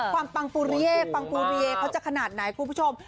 ความปังปุริยะเขาจะขนาดไหนครับคุณผู้ชม